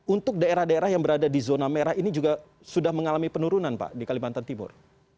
untuk daerah daerah yang berada di zona merah ini juga sudah mengalami penurunan pak di kalimantan timur